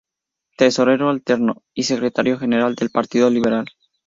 Tesorero alterno y secretario general del Partido Liberal.